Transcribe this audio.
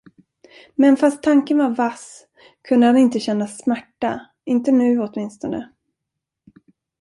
Men fast tanken var vass, kunde han inte känna smärta, inte nu åtminstone.